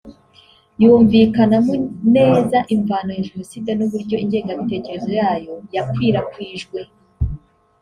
yumvikanamo neza imvano ya Jenoside n’uburyo ingengabitekerezo yayo yakwirakwijwe